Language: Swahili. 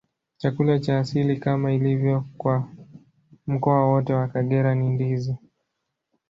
Chakula cha asili, kama ilivyo kwa mkoa wote wa Kagera, ni ndizi.